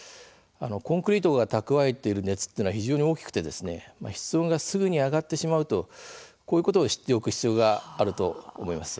コンクリートが蓄えている熱っていうのは非常に大きくて室温がすぐに上がってしまうとこういうことを知っておく必要があると思います。